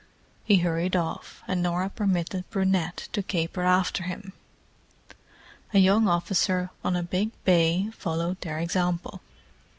He hurried off, and Norah permitted Brunette to caper after him. A young officer on a big bay followed their example.